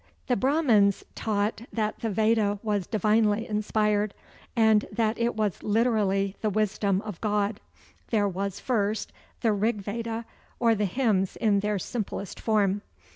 The Brahmans taught that the Veda was divinely inspired, and that it was literally "the wisdom of God." There was, first, the Rig Veda, or the hymns in their simplest form.